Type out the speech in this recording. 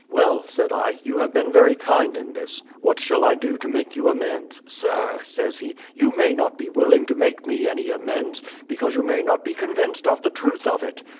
"Well," said I, "you have been very kind in this: what shall I do to make you amends?" "Sir," says he, "you may not be willing to make me any amends, because you may not be convinced of the truth of it.